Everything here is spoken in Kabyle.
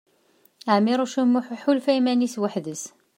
Ɛmiṛuc U Muḥ iḥulfa iman-is weḥd-s.